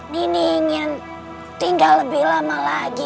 nining ingin tinggal lebih lama lagi